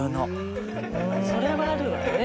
それはあるわね。